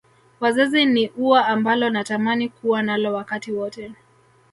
Wazazi ni ua ambalo natamani kuwa nalo wakati wote